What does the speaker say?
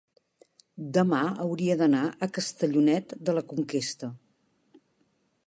Demà hauria d'anar a Castellonet de la Conquesta.